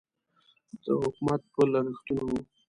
د حکومت په لګښتونو و.